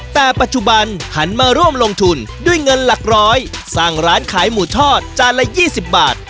แต่ปัจจุบันหันมาร่วมลงทุนด้วยเงินหลักร้อยสร้างร้านขายหมูทอดจานละ๒๐บาท